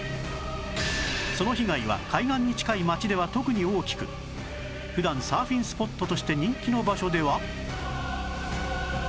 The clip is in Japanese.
その被害は海岸に近い街では特に大きく普段サーフィンスポットとして人気の場所では